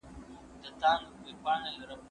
کېدای سي ليک اوږد وي،